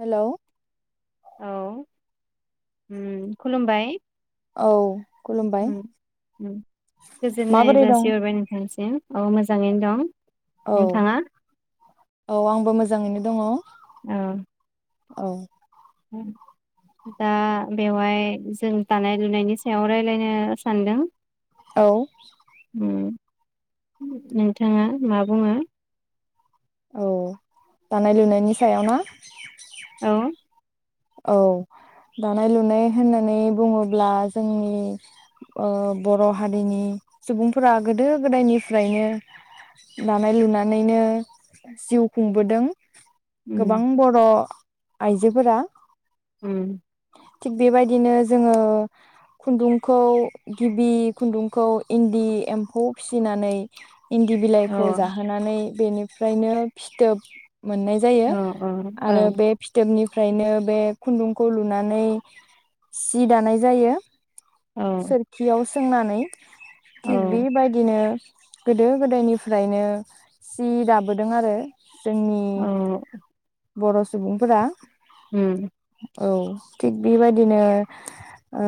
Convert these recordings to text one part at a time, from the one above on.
Hello औ उम खुलुमबाय औ खुलुमबाय उम उम गोजोननाय माबोरै दं जासिहरबाय नोंथांनिसिम। औ मोजाङैनो दं। औ नोंथाङा औ आंबो मोजाङैनो दङ। औ दा बेवहाय जों दानाय लुनायनि सायाव रायलायनो सानदों। औ उम नोंथाङा मा बुङो? औ दानाय लुनायनि सायाव ना औ औ दानाय लुनाय होननानै बुङोब्ला जोंनि ओ बर' हारिनि सुबुंफोरा गोदो गोदायनिफ्रायनो दानाय लुनानैनो जिउ खुंबोदों। उम गोबां बर' आइजोफोरा उम थिग बेबायदिनो जोङो खुन्दुंखौ गिबि खुन्दुंखौ इन्दि एम्फौ फिसिनानै इन्दि औ बिलाइखौ जाहोनानै बेनि फ्रायनो फिथोब मोननाय जायो औ औ आरो बे फिथोबनि फ्रायनो बे खुन्दुंखौ लुनानै सि दानाय जायो। औ सोरखियाव सोंनानै औ थिग बि बायदिनो गोदो गोदायनिफ्रायनो सि दाबोदों आरो। जोंनि औ बर' सुबुंफोरा हुम औ थिग बिबादिनो ओ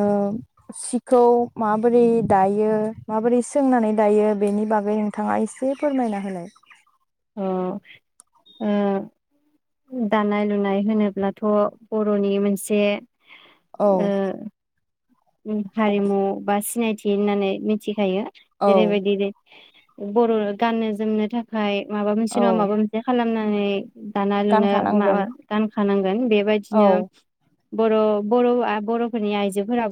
सिख खौ माबोरै दायो माबोरै सोंनानै दायो बेनि बागै नोंथाङा एसे फोरमायना होलाय। औ ओ दानाय लुनाय होनोब्लाथ' बर'नि मोनसे औ ओ उ हारिमु बा सिनायथि होननानै मिथि [unintelligible] यो औ जेरैबायदि बर' गाननो जोमनो थाखाय माबा मोनसे औ नङा माबा मोनसे खालामना [unintelligible] दाना लुनो गानखानांगोन माबा दानखानांगोन औ बेबायदिनो बर' बर'आ बर'फोरनि आइजोफोराब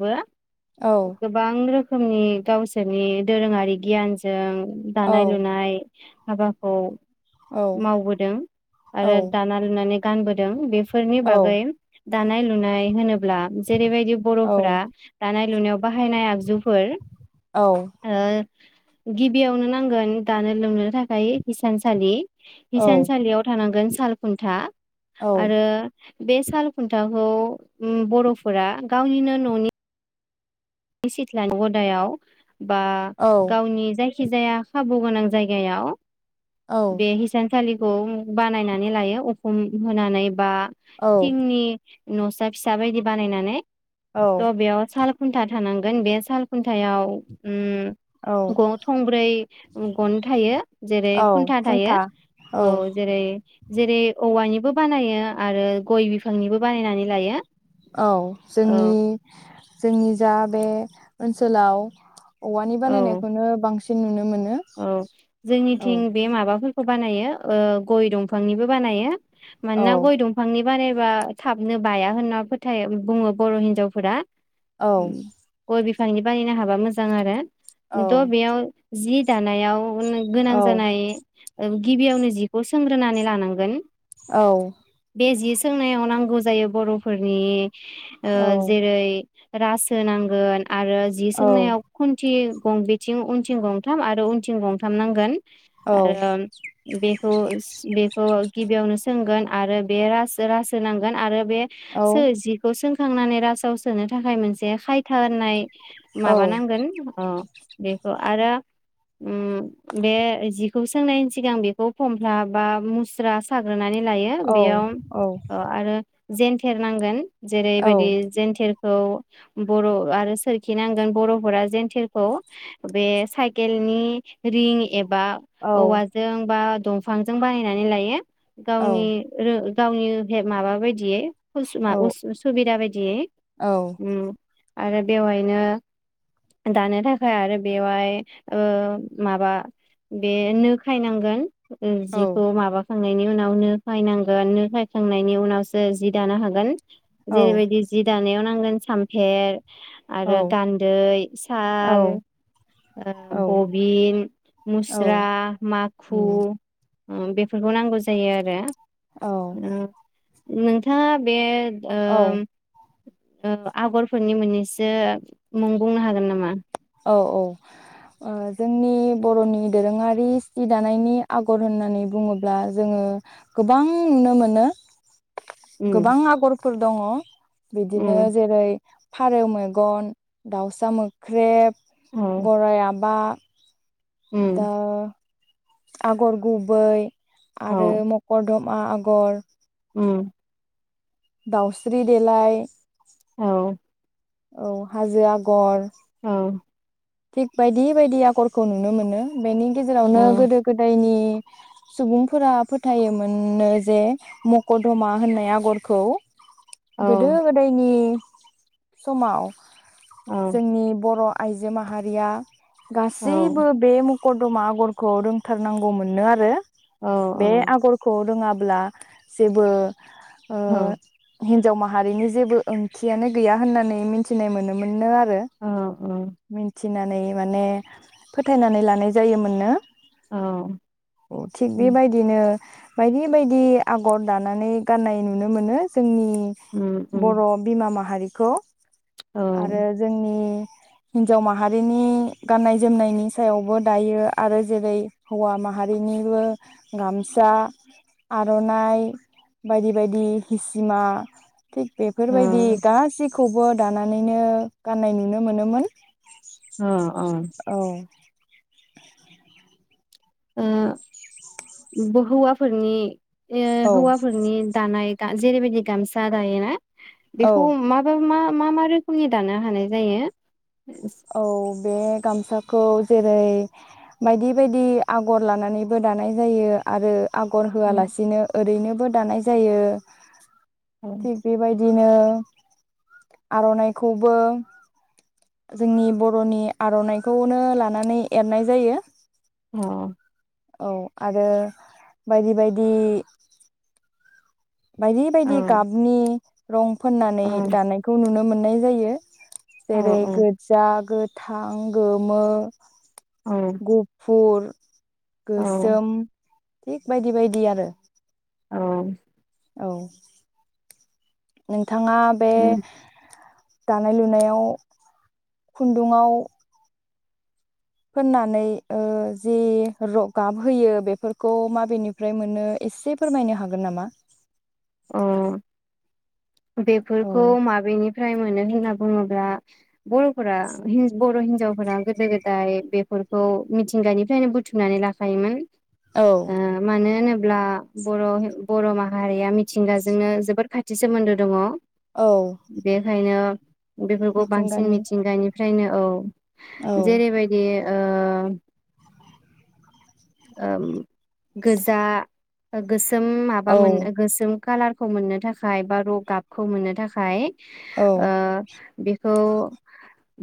औ बो गोबां रो खोमनि गावसोरनि दोरोङारि गियानजों औ दानाय लुनाय हाबाखौ औ मावबोदों औ आरो दाना लुनानै गानबोदों बेफ फोरनि औ बागै दानाय लुनाय होनो अब्ला जेरैबायदि औ फोरा दानाय लुनायाव बाहायनाय आगजुफोर औ ओ गिबियावनो नांगोन दानो लुनो थाखाय हिसानसालि औ हिसानसालियाव थानांगोन सालखुन्था औ आरो बे सालखुन्थाखौ उ बर'फोरा गावनिनो न' [unintelligible] नि सिथ्लानि गदायाव बा गावनि जाय खिजाया खाबु गोनां जायगायाव बे हिसान सालिखौ बानायनानै लायो उखुम होनानै बा औ थिंनि नसा फिसा बायदि बानायनानै थ' बेयाव साल खुन्था थानांगोन बे साल खुन थायाव उम औ ग थंब्रै गन थायो जेरै खुन्था थायो औ जेरै जेरै औवानिबो बानायो आरो गय बिफांनिबो बानायनानै लायो। औ जोंनि औ जोंनि जा बे ओनसोलाव औवानि औ बानायनायखौनो बांसिन नुनो मोन औ जोंनिथिं बे माबाफोर खौ बानायो ओ गय दंफांनिबो बानायो। औ मानोना गय दंफांनि बानायबा थाबनो बाया होनना फोथाय बुङो बर हिनजावफोरा। औ गय बि फांनि बानायनो हाबा मोजां आरो औ द' बेयाव जि दानायाव गोन औ गोनां जानाय गिबियावनो जिखौ सोंग्रोनानै लानांगोन औ ए जि सोंनायाव नांगौ जायो बरफोरनि ओ जेरै रास होनांगोन आरो जि सोंनायाव खुन्थि गं बिथिं उनथिं गं थाम आरो उनथिं गंथाम नांगोन। आरो बेखौ सि बे खो गिबियावनो सोंगोन आरो बे राज रासो नांगोन आरो बे सोर जिखौ सों खांनानै राजाव सोनो थाखाय मोनसे खायथा होन्नाय माबा नांगोन अ बेखौ आरो उम बे जिखौ सोंनायनि सिगां बेखौ फमफ्ला बा मुस्रा साग्रोनानै लायो बेयाव अ आरो जेनथेर नांगोन। जेरैबायदि जेनथेर। खौ बर' आरो सोरखि नांगोन बर'फोरा जेेनथेरखौ बे साइ केलनि रिं एब बा औवाजों बा। दंफांजों बानायनानै लायो। गावनि रो गावनि माबा बायदियै। मा उसु सुबिदा बायदियै ओम। आरो बेवहायनो दानो थाखाय आरो बेवहाय। ओ- माबा बे नो खायनांगोन। औ जिखौ माबा। खांनायनि उनाव नो फायनांगोन, नो फायखांनायनि उनावसो जि दानो हागोन। जेरैबायदि जि दानायाव। नांगोन सामफेर। आरो गान्दै, साल। औ औ बबिन, औ मुस्रा, माखु, उम ओम बेफोरखौ नांगौ जायो आरो। औ। ओ नोंथाङा बे। औ ओम। ओ- आगरफोरनि मोननैसो मुं बुंनो हागोन नामा? औ औ ओ- जोंनि बर'नि दोरोङारि सि दानायनि आगर होननानै बुङोब्ला जोङो गोबां नुनो मोनो। गोबां उम आगरफोर दङ बिदिनो उम जेरै। फारौ मेगन, दाउसा मोख्रेब, औ गराइ आबा, उम दा। आगर गुबै, आरो औ मकरडम आगर। औ। दाउस्रि देलाय। औ औ हाजो आगर। औ थिग बायदि बायदि आगरखौ नुनो मोनो बेनि। औ गेजेरावनो गोदो गोदायनि सुबुंफोरा फोथायोमोननो जे मक'दमा होननाय आगरखौ औ गोदो गोदायनि समाव औ जोंनि बर' आयजो माहारिया औ गासैबो बेमुख करदमा आगरखौ रोंथारनांगौ मोनो आरो औ बे आगरखौ रोङाब अब्ला जेबो ओ औ हिनजाव माहारिनि जेबो ओंथियानो गैया होननानै मिथिनाय मोनोमोननो आरो ओ ओ मिथिनानै माने फोथायनानै लानाय जायोमोननो। औ थिग उम बेबायदिनो बायदि बायदि आगर दानानै गाननाय नुनो मोनो जोंनि उम उम बर' बिमा माहारि खौ। औ आरो जोंनि हिन्जाव माहारिनि गाननाय जोमनायनि सायावबो दायो आरो जेरै हौवा माहारिनिबो गामसा आर'नाइ बायदि बायदि हिसिमा थिग औ बेफोरबायदि गाससि खौबो दानानैनो गाननाय नुनो मोनोमोन। ओ ओ। औ ओ बहौवाफोरनि ए औ हौवाफोरनि दानाय दा जेरबदि गमसाादायनो ना। बेखौ माबा मा मा मा रोखोमनि दानो हानाय जायो। औ। बे गामसाखौ जेरै बायदि बायदि आगर लानानैबो दानाय जायो आरो आगर औ होआलासिनो ओरैनो बो दानाय जायो। थिग बे बायदि दिनो आर'नाइखौबो जोंनि बर'नि आर'नाइखौनो लानानै एरनाय जायो। अह। औ आरो बायदि बायदि बायदि औ बायदि गाबनि रं फोननानै दानायखौ नुनो मोन नाय जायो। जेरै गोज्जा, गो थां, गोमो, गुफुर, [inaudible] औ गोसोम, थिग बायदि बायदि आरो। औ औ। नों थाङा बे दानाय लुनायाव खुन्दुङाव फोननानै ओ जि र' गाब होयो बेफोरखौ माबेनिफ्राय मोनो एसे फोरमायनो हागोन नामा? अह। औ बेफोरखौ माबेनिफा फाय मोनो होनना बुङोब्ला बर'फोरा हिन बर' हिनजावफोरा गोदो गोदाय बेफोरखौ मिथिंगानिफ्रायनो बुथुमनानै लाखायोमोन। औ ओ मानो होनो ब्ला बर' हे बर' माहारिया मि थिंगाजोंनो जोबोद खाथि सोमोन्दो दङ। औ बेखायनो बेफोरखौ बांसिन मिथिंगानि मिथिंगानिफ्रायनो औ। जेरैबायदि ओ ओम गोजा गोसो [unintelligible] माबा औ मोन गोसोम कालारखौ मोननो थाखाय बा र' गाबखौ मोननो थाखाय औ ओ बे खौ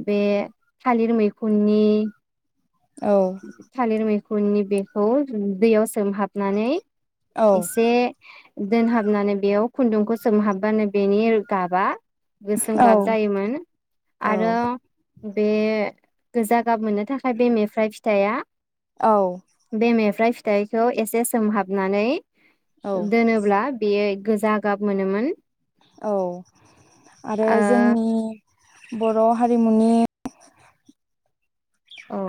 बे थालिर मैखुननि औ। खुननि बेखौ दैयाव सोमहाबनानै एसे दोनहाबनानै बेयाव खुन्दुंखौ सोमहाबबानो बेनि गाबा गोसोम औ गाब जायोमोन। औ आरो बे गोजा गाब मोननो थाखाय बेनेफ्राय थाइया औ। फ्राय फिथाइखौ एसे सोमहाबनानै औ दोनोब्ला बेयो गोजा गाब मोनोमोन। औ आरो जोंनि बर' हारिमुनि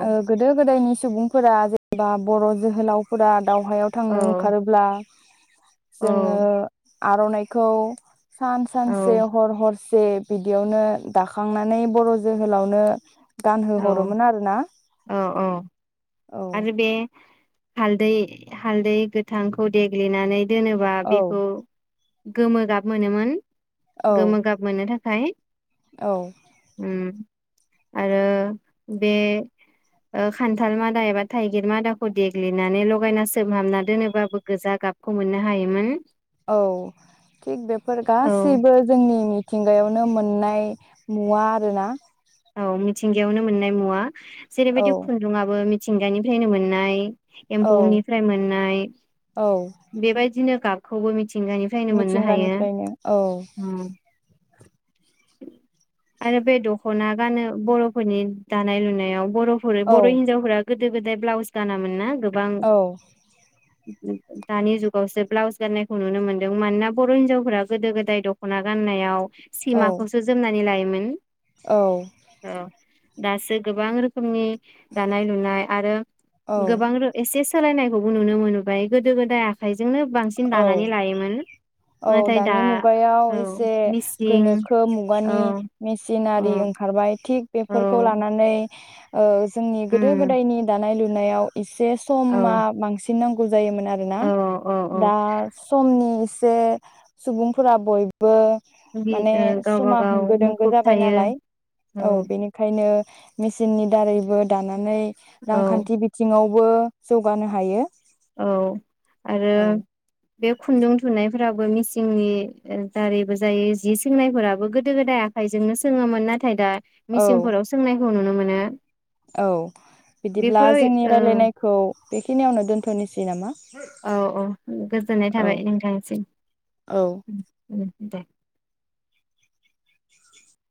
ओ गोदो गोदायनि सुबुंफोरा जेनेबा बर' जोहोलावफोरा दावहायाव औ थांनो ओंखारोब्ला जोङो आर'नाइखौ सान औ सानसे हर हर से बिदियावनो दाखांनानै बर' जोहोलावनो औ गानहो हरोमोन आरो ना। औ औ। आरो बे हालदै हालदै गोथांखौ देग्लिनानै दोनोबा औ बेखौ गोमो गाब मोनोमोन। औ गोमो गाब मोनो था खाय औ। उम‌‌ आरो बे ओ खान्थाल मा दा एबा थाइगिर मादाखौ देग्लिनानै लगायना सोमहाबना दोनोबाबो गोजा गाबखौ मोननो हायोमोन। औ थिग बेफोर औ गासैबो जोंनि मि थिंगायावनो मोननाय मुवा आरोना। औ मिथिंगायावनो मोननाय मुवा। औ जेरैबादि खुन्दुङाबो मि थिंगानिफ्रायनो मोननाय। औ एम्फौनिफ्राय मोननाय औ बेबायदिनो गाब खौबो मिथिंगानिफ्रायनो औ। उम आरो बे दर दख'ना गानो बर'फोरनि दानाय लुनायाव बर'फोर बर' औ हिनजावफोरा गोदो गोदाय ब्लाउस गानामोन ना गो औ दानि जुगावसो ब्लाउस गान्नायखौ नुनो मोनदों मानोना बर' हिन्जावफोरा गोदो गोदाय दख'ना गाननायाव औ सिमाखौसो जोमनानै लायोमोन। [unintelligible] औ औ दासो गोबां रोखोमनि दानाय लुनाय आरो औ गोबां रो एसे सोलायनायखौबो नुनो मोनबाय गोदो गोदाय आखायजों औ औ नाथाय दा दानि मुगायाव औ एसे मिसिं गोनोखो औ मुगानि मेसिन औ आरो ओंखारबाय। थिग औ बेफोरखौ लानानै ओ जोंनि उम गोदो गोदायनि दानाय लुनाय नायाव एसे औ समा बांसिन नांगौ [unintelligible] मोन आरोना। औ औ दा समनि जे सुबुंफोरा बयबो बि माने ओ गावबा समा गाव होंगो दोंगो मुखुब जाबाय थायो नालाय औ बेनिखायनो मेचिननि दारैबो दाना नै औ रांखान्थि बिथिंआव बो जौगानो हायो। औ आरो औ बे खुन्दुं थुन्नायफोराबो मिसिंनि दारैबो जायो जि सोंनायफोराबो गोदो गोदाय आखाइजोंनो सोङोमोन नाथाय दा औ मिसिंफोराव सोंनाय खौ नुनो मोनो। औ बिदिब्ला बेफोराव जोंनि ओ राय्लायनायखौ बेखिनियावनो दोन्थ'नोसै नामा? औ औ गोजोननाय औ थाबाय नोंथांसिम औ उम उम। [inaudible]